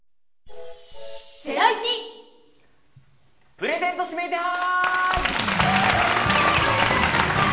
プレゼント指名手配！